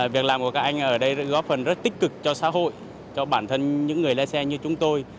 việc làm của các anh ở đây góp phần rất tích cực cho xã hội cho bản thân những người lái xe như chúng tôi